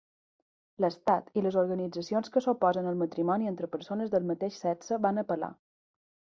L'estat i les organitzacions que s'oposen al matrimoni entre persones del mateix sexe van apel·lar.